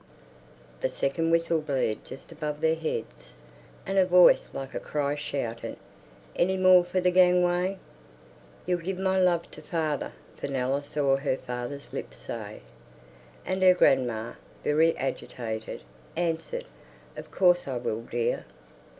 "Mia oo oo O O!" The second whistle blared just above their heads, and a voice like a cry shouted, "Any more for the gangway?" "You'll give my love to father," Fenella saw her father's lips say. And her grandma, very agitated, answered, "Of course I will, dear.